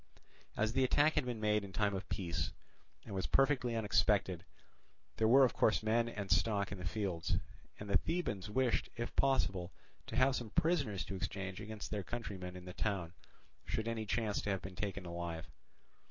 As the attack had been made in time of peace, and was perfectly unexpected, there were of course men and stock in the fields; and the Thebans wished if possible to have some prisoners to exchange against their countrymen in the town, should any chance to have been taken alive.